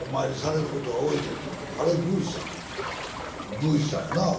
宮司さんやなあ。